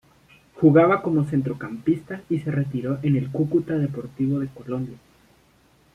Jugaba como centrocampista y se retiró en el Cúcuta Deportivo de Colombia.